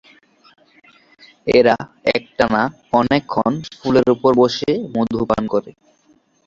এরা একটানা অনেকক্ষণ ফুলের ওপর বসে মধু পান করে।